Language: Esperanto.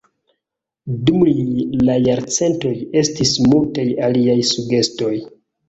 Dum la jarcentoj, estis multaj aliaj sugestoj.